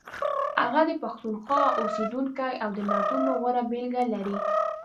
هغه د پښتونخوا اوسیدونکی او د نعتونو غوره بېلګې لري.